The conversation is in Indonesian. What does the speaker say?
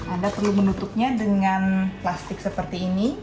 anda perlu menutupnya dengan plastik seperti ini